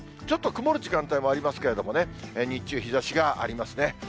ちょっと曇る時間帯もありますけれどもね、日中、日ざしがありますね。